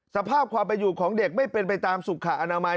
สภาพความเป็นอยู่ของเด็กไม่เป็นไปตามสุขอนามัย